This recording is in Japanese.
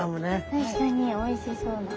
確かにおいしそうな。